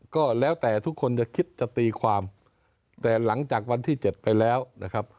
ก็แล้วแต่ทุกคนจะคิดจะตีความแต่หลังจากวันที่เจ็ดไปแล้วนะครับ